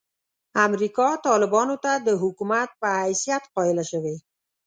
امریکا طالبانو ته د حکومت په حیثیت قایله شوې.